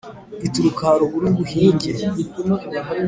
Ituruka haruguru y'ubuhinge,